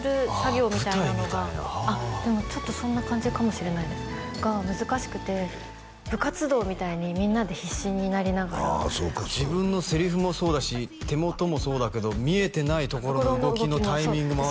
ああ舞台みたいなでもちょっとそんな感じかもしれないですが難しくて部活動みたいにみんなで必死になりながら自分のセリフもそうだし手元もそうだけど見えてないところの動きのタイミングも合わせなきゃいけない？